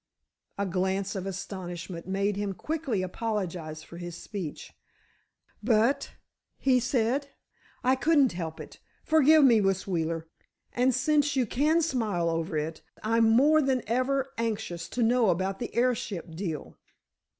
A glance of astonishment made him quickly apologize for his speech. "But," he said, "I couldn't help it. Forgive me, Miss Wheeler, and, since you can smile over it, I'm more than ever anxious to know about the airship deal."